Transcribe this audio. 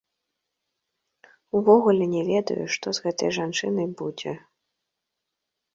Увогуле не ведаю, што з гэтай жанчынай будзе.